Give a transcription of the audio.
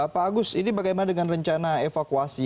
pak agus ini bagaimana dengan rencana evakuasi